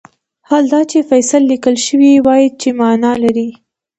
حال دا چې فصیل لیکل شوی وای چې معنی لري.